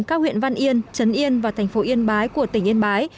các huyện văn yên trấn yên và thành phố yên bái của tỉnh yên bái